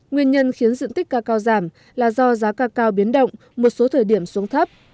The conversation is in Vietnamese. nguyên nhân khiến diện tích ca cao giảm là do giá ca cao biến động một số thời điểm xuống thấp